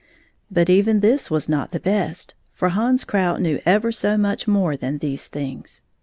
But even this was not the best, for Hans Krout knew ever so much more than these things.